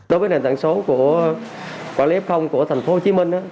đối với nền tảng số của quản lý không của tp hcm